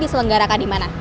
selenggarakan di mana